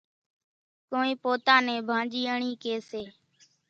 ڪونئين پوتا نين ڀانڄياڻِي ڪيَ سي۔